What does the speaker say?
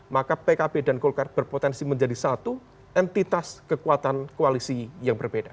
maka pkb dan golkar berpotensi menjadi satu entitas kekuatan koalisi yang berbeda